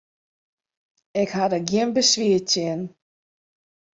Ik ha der gjin beswier tsjin.